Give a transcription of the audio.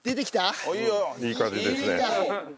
いい感じですね。